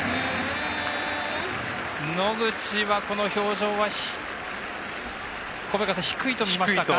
野口はこの表情は、小早川さん低いと見ましたか？